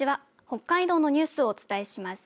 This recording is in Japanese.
北海道のニュースをお伝えします。